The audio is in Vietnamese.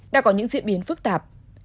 đã có những diễn biến phức tạp